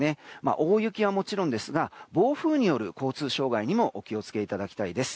大雪はもちろんですが暴風による交通障害にもお気を付けいただきたいです。